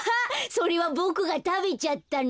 それはボクがたべちゃったの。